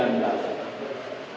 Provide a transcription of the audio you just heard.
yang sudah terhidupi covid sembilan belas